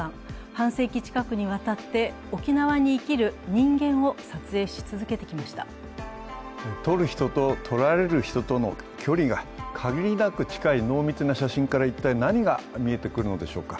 半世紀近くにわたって沖縄に生きる人間を撮る人と撮られる人との距離が限りなく近い濃密な写真から一体、何が見えてくるでしょうか。